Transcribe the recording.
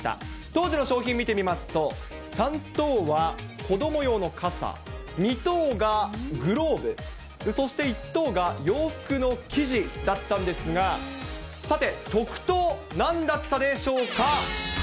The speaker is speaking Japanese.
当時の賞品見てみますと、３等は子ども用の傘、２等がグローブ、そして１等が洋服の生地だったんですが、さて、特等、なんだったでしょうか。